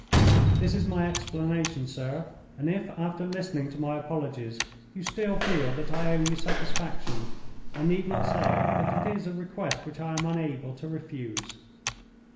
This is my explanation, sir, and if after listening to my apologies you still feel that I owe you satisfaction, I need not say that it is a request which I am unable to refuse."